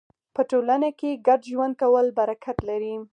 په ټولنه کې ګډ ژوند کول برکت لري.